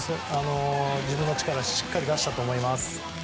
自分の力をしっかり出したと思います。